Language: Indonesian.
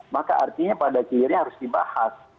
maka artinya pada akhirnya harus dibahas